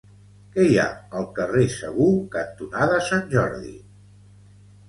Què hi ha al carrer Segur cantonada Sant Jordi?